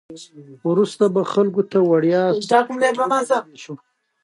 وروسته به خلکو ته وړیا سافټویرونه وویشو